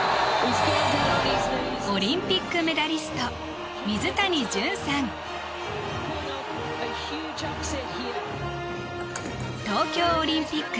オリンピックメダリスト東京オリンピック